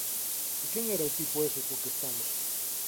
E quen era o tipo ese co que estabas?